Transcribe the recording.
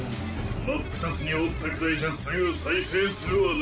真っ二つに折ったくらいじゃすぐ再生するわな。